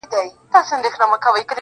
او ستا پر قبر به.